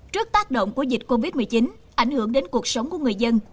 trước tác động của dịch covid một mươi chín ảnh hưởng đến cuộc sống của người dân